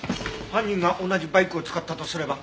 犯人が同じバイクを使ったとすれば。